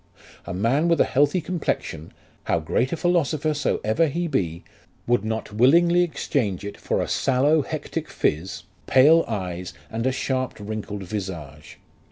A man with a healthful complexion, how great a philosopher soever he be, would not willingly exchange it for a sallow hectic phyz, pale eyes, and a sharp wrinkled visage.